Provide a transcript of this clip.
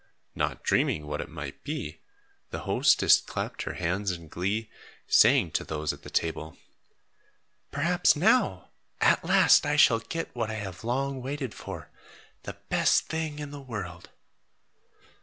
Not dreaming what it might be, the hostess clapped her hands in glee, saying to those at the table: "Perhaps now, at last, I shall get what I have long waited for the best thing in the world."